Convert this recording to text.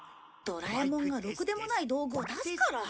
ドラえもんがろくでもない道具を出すから。